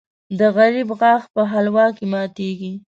د غریب غاښ په حلوا کې ماتېږي .